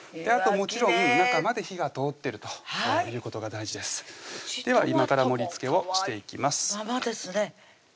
あともちろん中まで火が通ってるということが大事ですでは今から盛りつけをしていきます